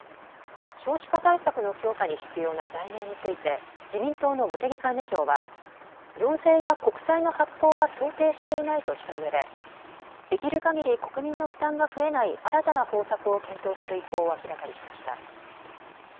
少子化対策の強化に必要な財源について自民党の茂木幹事長は増税や国債の発行は想定していないとしたうえでできるかぎり国民の負担が増えない新たな方策を検討する意向を明らかにしました。